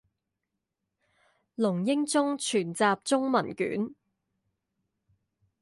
龍瑛宗全集中文卷